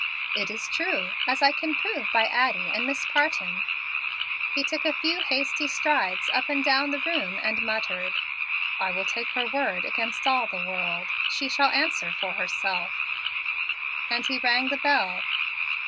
"It is true, as I can prove by Addie and Miss Parton." He took a few hasty strides up and down the room and muttered, "I will take her word against all the world. She shall answer for herself"; and he rang the bell.